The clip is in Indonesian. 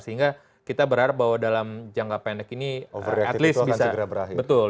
sehingga kita berharap bahwa dalam jangka pendek ini at least bisa betul